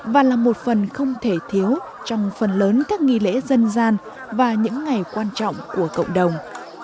và là một phần không thể thiếu trong phần lớn các nghi lễ dân gian và những ngày quan trọng của cộng đồng